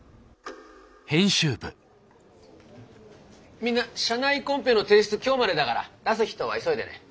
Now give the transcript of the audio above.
みんな社内コンペの提出今日までだから出す人は急いでね。